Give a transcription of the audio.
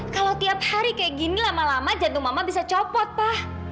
kalau tiap hari kayak gini lama lama jantung mama bisa copot pak